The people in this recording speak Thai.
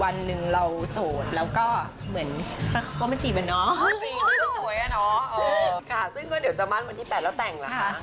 ค่ะซึ่งก็เดี๋ยวจะมันวันที่๘แล้วแต่งหรือคะ